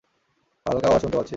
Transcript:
হালকা আওয়াজ শুনতে পাচ্ছি।